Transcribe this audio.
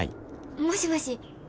もしもし。